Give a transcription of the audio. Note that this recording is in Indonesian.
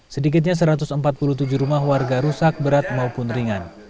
sedikitnya satu ratus empat puluh tujuh rumah warga rusak berat maupun ringan